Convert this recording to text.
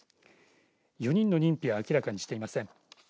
４人の認否は明らかにしていません。